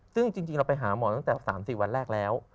ซึ่งจริงเราไปหาหมอตั้งแต่๓๔วันแรกแล้ว